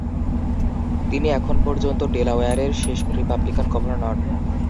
তিনি এখন পর্যন্ত ডেলাওয়্যারের শেষ রিপাবলিকান গভর্নর।